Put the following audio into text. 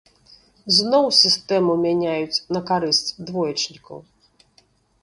Зноў сістэму мяняюць на карысць двоечнікаў.